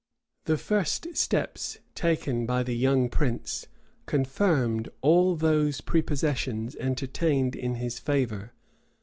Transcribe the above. The first steps taken by the young prince confirmed all those prepossessions entertained in his favor.